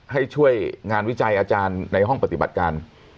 ให้ช่วยงานวิจัยอาจารย์ในห้องปฏิบัติการ